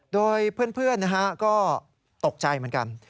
โดยเพื่อนก็ตกใจเหมือนกัน